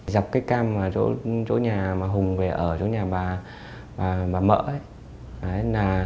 dọc cái cam chỗ nhà mà hùng về ở chỗ nhà bà mỡ ấy